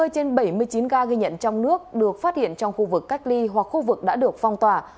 ba mươi trên bảy mươi chín ca ghi nhận trong nước được phát hiện trong khu vực cách ly hoặc khu vực đã được phong tỏa